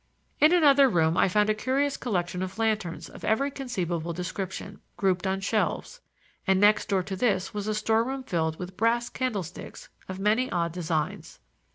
In another room I found a curious collection of lanterns of every conceivable description, grouped on shelves, and next door to this was a store room filled with brass candlesticks of many odd designs.